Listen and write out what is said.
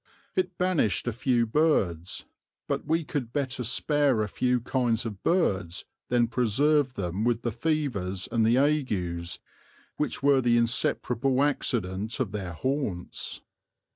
It banished a few birds; but we could better spare a few kinds of birds than preserve them with the fevers and the agues which were the inseparable accident of their haunts.